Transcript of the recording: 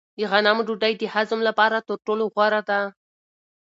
د غنمو ډوډۍ د هضم لپاره تر ټولو غوره ده.